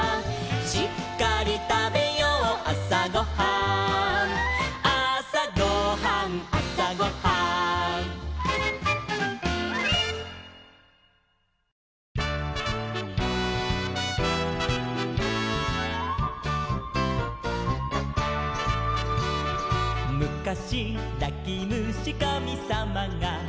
「しっかりたべようあさごはん」「あさごはんあさごはん」「むかしなきむしかみさまが」